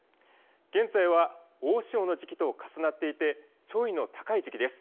現在は大潮の時期と重なっていて潮位の高い時期です。